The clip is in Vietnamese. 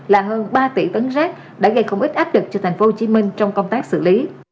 là hơn ba tỷ tấn rác đã gây không ít áp lực cho thành phố hồ chí minh trong công tác xử lý